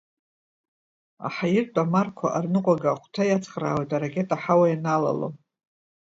Аҳаиртә амарқәа арныҟәага ахуҭа иацхраауеит аракета аҳауа ианалало.